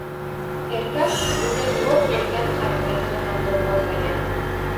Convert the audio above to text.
Erkak bunga guvoh bo‘lgan qaynukasini ham do‘pposlagan